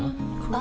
あ！